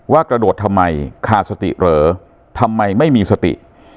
กระโดดทำไมขาดสติเหรอทำไมไม่มีสติ